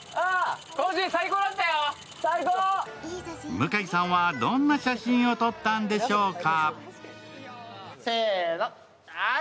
向井さんはどんな写真を撮ったんでしょうか